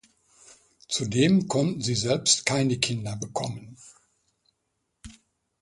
Zudem konnten sie selbst keine Kinder bekommen.